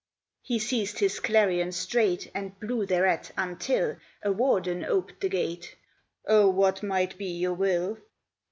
He seized his clarion straight, And blew thereat, until A warder oped the gate, "Oh, what might be your will?"